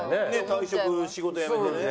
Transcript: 退職仕事辞めてね。